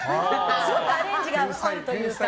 すごくアレンジが凝るというか。